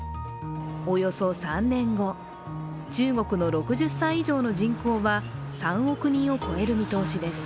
およそ３年後、中国の６０歳以上の人口は３億人を超える見通しです。